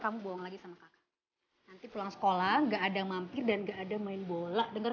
kamu bohong lagi sama kak nanti pulang sekolah nggak ada mampir dan nggak ada main bola denger